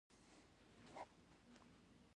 ازادي راډیو د کرهنه په اړه د حکومت اقدامات تشریح کړي.